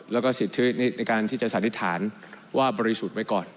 แล้วก็สิทธิในการที่จะสันนิษฐานว่าบริสุทธิ์ไว้ก่อน